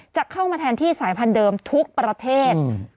จะเข้ามาแทนที่สายพันธุเดิมทุกประเทศ